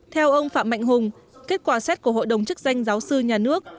theo ông phạm mạnh hùng kết quả xét của hội đồng chức danh giáo sư nhà nước